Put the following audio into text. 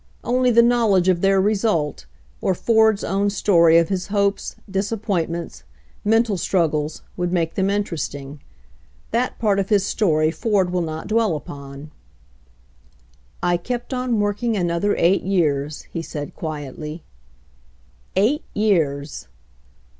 Only the knowledge of their result, or Ford's own story of his hopes, disappointments, mental struggles, would make them interesting. That part of his story Ford will not dwell upon. "I kept on working another eight years/' he says quietly. Eight years!